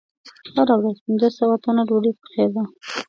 هره ورځ پنځه سوه تنه ډوډۍ پخېدله.